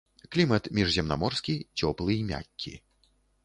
Клімат міжземнаморскі, цёплы і мяккі.